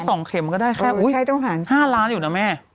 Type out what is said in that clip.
ถ้าได้๒เข็มก็ได้แค่๕ล้านอยู่นะแม่